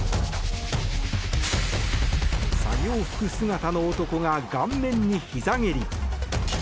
作業服姿の男が顔面にひざ蹴り。